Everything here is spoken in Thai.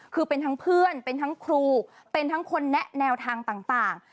คือเป็นทั้งเพื่อนเป็นทั้งครูเป็นทั้งคนแนะแนวทางต่าง